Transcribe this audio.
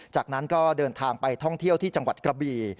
จากนั้นก็เดินทางไปท่องเที่ยวที่จังหวัดกระบี